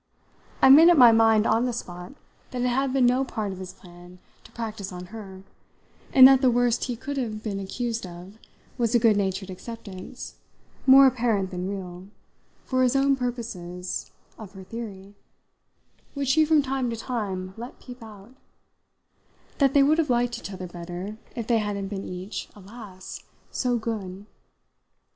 I made up my mind on the spot that it had been no part of his plan to practise on her, and that the worst he could have been accused of was a good natured acceptance, more apparent than real, for his own purposes, of her theory which she from time to time let peep out that they would have liked each other better if they hadn't been each, alas! so good.